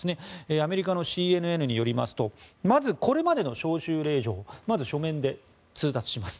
アメリカのＣＮＮによりますとまず、これまでの招集令状書面で通達します。